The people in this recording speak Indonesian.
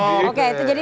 oke itu jadi